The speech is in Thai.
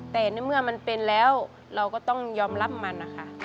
แต่ในเมื่อมันเป็นแล้วเราก็ต้องยอมรับมันนะคะ